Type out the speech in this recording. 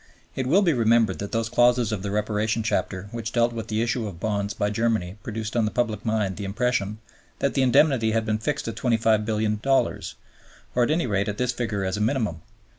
It will be remembered that those clauses of the Reparation Chapter which dealt with the issue of bonds by Germany produced on the public mind the impression that the Indemnity had been fixed at $25,000,000,000, or at any rate at this figure as a minimum.